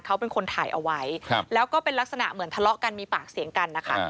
เขาเป็นคนถ่ายเอาไว้แล้วก็เป็นลักษณะเหมือนทะเลาะกันมีปากเสียงกันนะคะ